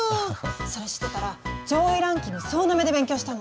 それ知ってたら上位ランキング総なめで勉強したのに。